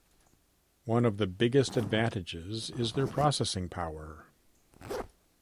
One of the biggest advantages is their processing power.